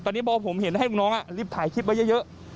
ตอนนี้พอผมเห็นให้ลูกน้องรีบถ่ายคลิปไว้เยอะ